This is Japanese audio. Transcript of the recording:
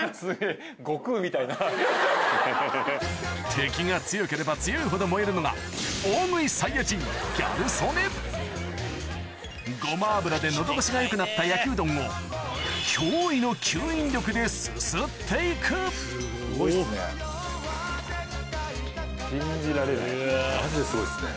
敵が強ければ強いほど燃えるのがギャル曽根ごま油でのど越しがよくなった焼きうどんをですすっていく・すごいっすね・・マジですごいっすね・・